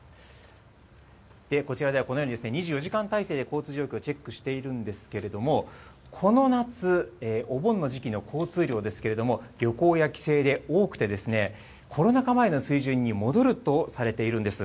こちらでは、このように２４時間態勢で交通状況をチェックしているんですけれども、この夏、お盆の時期の交通量ですけれども、旅行や帰省で多くて、コロナ禍前の水準に戻るとされているんです。